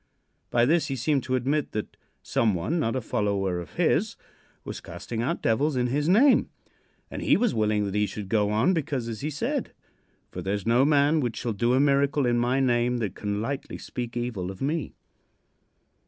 By this he seemed to admit that some one, not a follower of his, was casting out devils in his name, and he was willing that he should go on, because, as he said: "For there is no man which shall do a miracle in my name that can lightly speak evil of me."